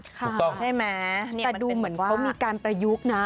ถูกต้องใช่ไหมนี่มันเป็นว่าแต่ดูเหมือนเขามีการประยุกต์นะ